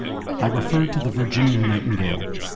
I refer to the Virginian nightingale.